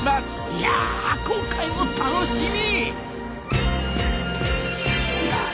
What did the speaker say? いや今回も楽しみ！